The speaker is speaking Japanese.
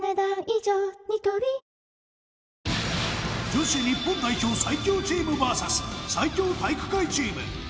女子日本代表最強チームＶＳ最強体育会チームＳＰ